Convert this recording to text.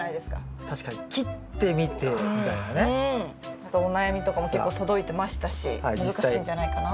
あとお悩みとかも結構届いてましたし難しいんじゃないかな。